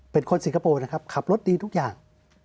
เป็นคนสิงคโปร์นะครับขับรถดีทุกอย่าง